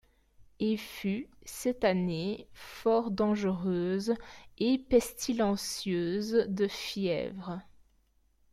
Et fut cest année fort dangereuse et pestilencieuze de fyèvre.